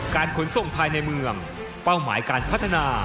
ขนส่งภายในเมืองเป้าหมายการพัฒนา